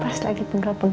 pas lagi pegal pegal